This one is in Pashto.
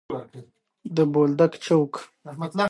د بېلګې په توګه جریکو او ابوهریره سیمې ښيي